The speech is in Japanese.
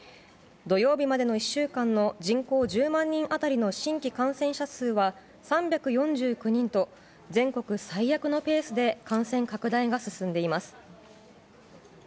土曜日までの１週間の人口１０万人当たりの新規感染者数は３４９人と全国最悪のペースで感染拡大が進んでいます。